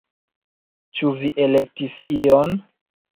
Ĉu vi elektis ion?